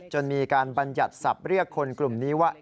จนมีการบรรยัติศัพท์เรียกคนกลุ่มนี้ว่า